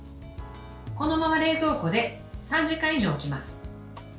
このまま冷蔵庫で３時間以上置きます。